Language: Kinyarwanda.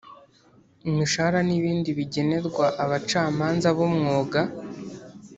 imishahara n’ibindi bigenerwa Abacamanza b’umwuga